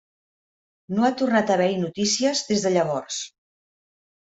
No ha tornat a haver-hi notícies des de llavors.